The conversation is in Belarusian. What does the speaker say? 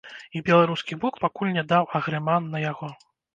І беларускі бок пакуль не даў агрэман на яго.